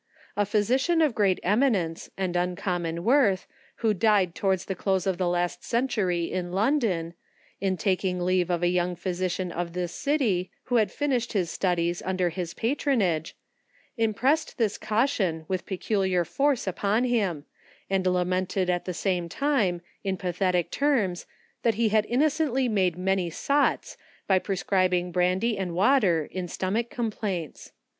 A physician of great emi nence, and uncommon worth, who died towards the close of the last century, in London, in taking leave of a young physician of this city, who had finished his studies under his patronage, impressed this caution with peculiar force upon him, and lamented at the same time in pathetic terms, that he had innocently made many sots by pre scribing brandy and water in stomach complaints.